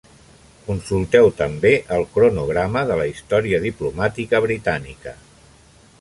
Consulteu també el Cronograma de la història diplomàtica britànica.